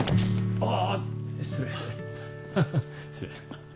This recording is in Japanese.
ああ。